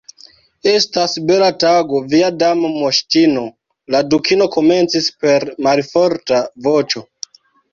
"Estas bela tago, via Dama Moŝtino," la Dukino komencis per malforta voĉo.